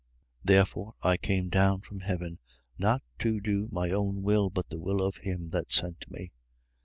6:38. Because I came down from heaven, not to do my own will but the will of him that sent me.